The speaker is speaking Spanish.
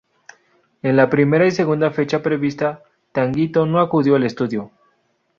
En la primera y segunda fecha prevista, Tanguito no acudió al estudio.